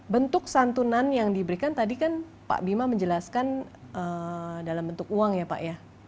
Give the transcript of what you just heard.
bentuk santunan yang diberikan tadi kan pak bima menjelaskan dalam bentuk uang ya pak ya